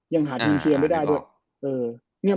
ยังหาทีมเชียร์ไม่ได้ด้วย